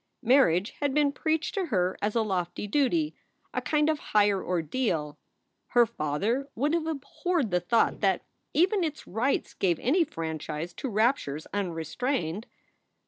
Marriage had been preached to her as a lofty duty, a kind of higher ordeal. Her father would have abhorred the thought that even its rites gave any franchise to raptures unrestrained.